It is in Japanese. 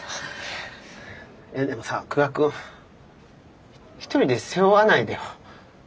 でもさ久我君一人で背負わないでよ。